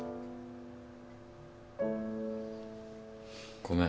ごめん。